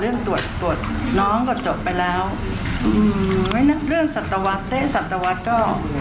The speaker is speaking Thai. เรื่องตรวจตรวจน้องก็จบไปแล้วอืมไม่นับเรื่องสัตวรรษเต้สัตวรรษก็